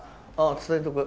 伝えとく。